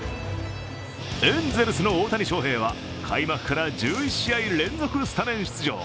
エンゼルスの大谷翔平は開幕から１１試合連続スタメン出場。